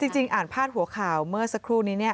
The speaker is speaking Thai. จริงอ่านภาพหัวขาวเมื่อสักครู่นี้